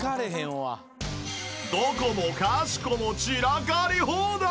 どこもかしこも散らかり放題！